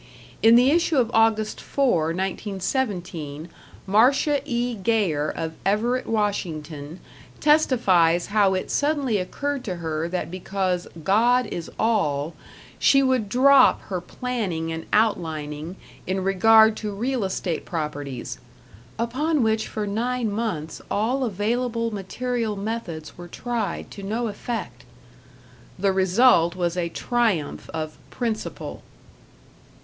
In the issue of August 4, 1917, Marcia E. Gaier, of Everett, Wash., testifies how it suddenly occurred to her that because God is All, she would drop her planning and outlining in regard to real estate properties, "upon which for nine months all available material methods were tried to no effect." The result was a triumph of "Principle".